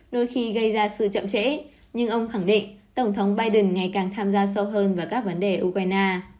đôi khi gây ra sự chậm trễ nhưng ông khẳng định tổng thống biden ngày càng tham gia sâu hơn vào các vấn đề ukraine